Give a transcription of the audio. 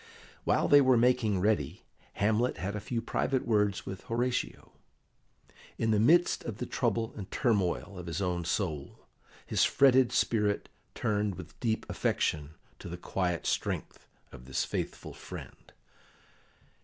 While they were making ready, Hamlet had a few private words with Horatio. In the midst of the trouble and turmoil of his own soul, his fretted spirit turned with deep affection to the quiet strength of this faithful friend.